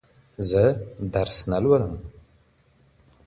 زه درس نه لولم.